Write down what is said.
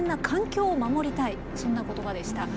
そんな言葉でした。